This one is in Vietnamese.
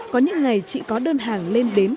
có những ngày chị có đơn hàng lên đến